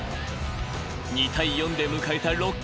［２対４で迎えた六回。